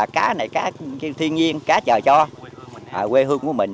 cái thiên nhiên cá trời cho quê hương của mình